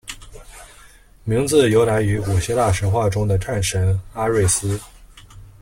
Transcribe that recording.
名字由来于古希腊神话中的战神阿瑞斯。